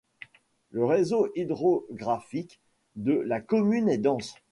Le réseau hydrographique de la commune est dense.